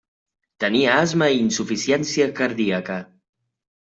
Tenia asma i insuficiència cardíaca.